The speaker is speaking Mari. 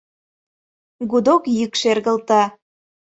Гудок йӱк шергылте.